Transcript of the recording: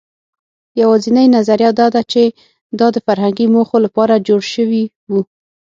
یواځینۍ نظریه دا ده، چې دا د فرهنګي موخو لپاره جوړ شوي وو.